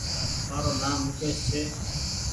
مآرو نآم مڪيش ڇي